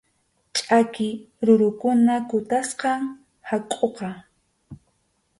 Ch’aki rurukuna kutasqam hakʼuqa.